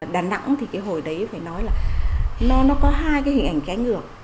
đà nẵng thì cái hồi đấy phải nói là nó có hai cái hình ảnh cái ngược